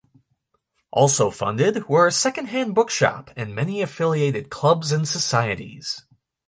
Also funded were a second hand bookshop and many affiliated clubs and societies.